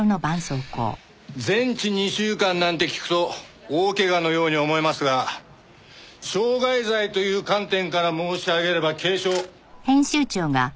全治２週間なんて聞くと大怪我のように思えますが傷害罪という観点から申し上げれば軽傷。